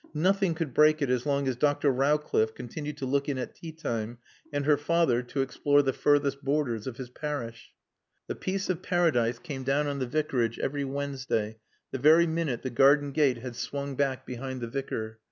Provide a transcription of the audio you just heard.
Nothing could break it as long as Dr. Rowcliffe continued to look in at tea time and her father to explore the furthest borders of his parish. The peace of Paradise came down on the Vicarage every Wednesday the very minute the garden gate had swung back behind the Vicar.